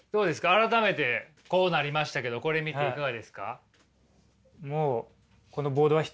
改めてこうなりましたけどこれ見ていかがですか？